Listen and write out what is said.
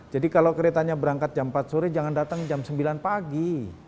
jadi kalau keretanya berangkat jam empat sore jangan datang jam sembilan pagi